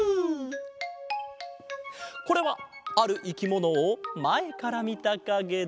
これはあるいきものをまえからみたかげだ。